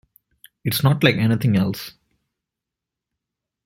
It's not like anything else.